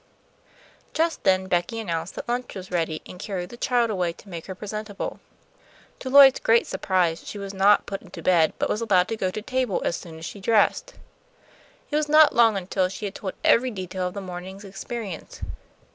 Just then Becky announced that lunch was ready, and carried the child away to make her presentable. To Lloyd's great surprise she was not put to bed, but was allowed to go to the table as soon as she was dressed. It was not long until she had told every detail of the morning's experience.